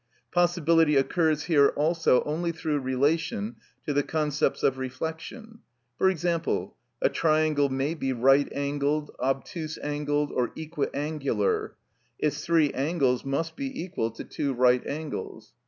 Possibility occurs here also only through relation to the concepts of reflection: for example, "A triangle may be right angled, obtuse angled, or equiangular; its three angles must be equal to two right angles."